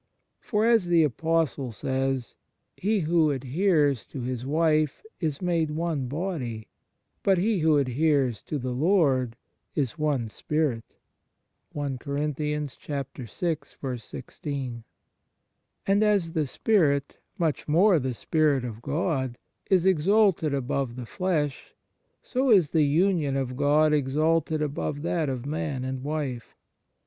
For, as the Apostle says: " He who^adhercs to a wife is made one body, but he who adheres to the Lord 72 ON THE SUBLIME UNION WITH GOD is one spirit." 1 And as the spirit, much more the Spirit of God, is exalted above the flesh, so is the union of God exalted above that of man and wife.